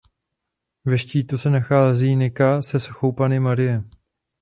Ve štítu se nachází nika se sochou Panny Marie.